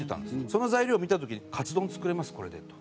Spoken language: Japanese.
その材料を見た時に「カツ丼作れますこれで」と。